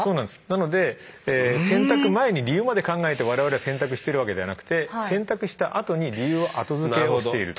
なので選択前に理由まで考えて我々は選択してるわけじゃなくて選択したあとに理由を後付けをしている。